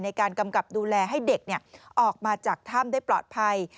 กำกับดูแลให้เด็กออกมาจากถ้ำได้ปลอดภัย